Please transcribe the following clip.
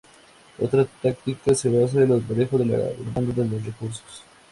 Otra táctica se basa en el manejo de la demanda de los recursos.